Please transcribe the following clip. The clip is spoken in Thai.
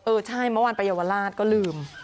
เออใช่มะวันไปยาวราชก็ลืม